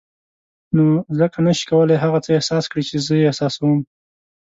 نو ځکه نه شې کولای هغه څه احساس کړې چې زه یې احساسوم.